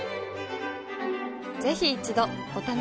ぜひ一度お試しを。